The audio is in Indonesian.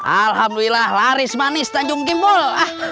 alhamdulillah laris manis tanjung gimbol